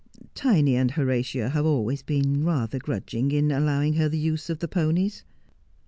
Tiny and Horatia have been always rather grudging in allowing her the use of the ponies.'